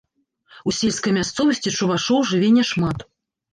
У сельскай мясцовасці чувашоў жыве няшмат.